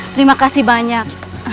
terima kasih banyak